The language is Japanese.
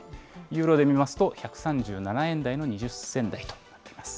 ユーロで見ますと、１３７円台の２０銭台となっています。